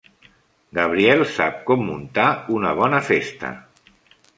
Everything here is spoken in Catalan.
Gabriel sap com muntar una bona festa.